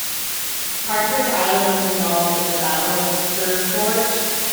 Harkers Island was involved in the Battle of Beaufort.